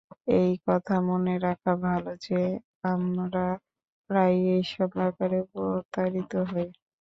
এই কথা মনে রাখা ভাল যে, আমরা প্রায়ই এইসব ব্যাপারে প্রতারিত হই।